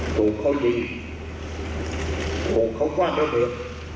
สู่เขาจริงห่วงเขากว้างแล้วเหลือ